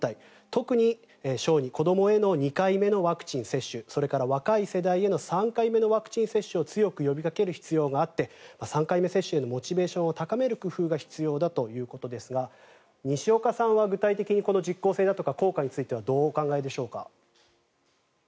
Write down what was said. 特に小児、子どもへの２回目のワクチン接種それから若い世代への３回目のワクチン接種を強く呼びかける必要があって３回目接種へのモチベーションを高める工夫が必要だということですが西岡さんは具体的にこの実効性だとか効果についてはどうお考えでしょうか。